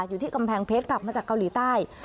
อยู่ที่กำแพงเพชรกลับมาจากเกาหลีใต้